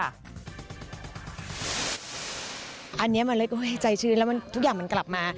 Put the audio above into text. อันนี้มันเลยใจชื้นแล้วทุกอย่างมันกลับมา